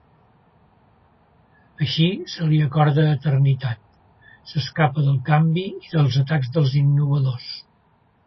Així, se li acorda eternitat; s'escapa del canvi i dels atacs dels innovadors.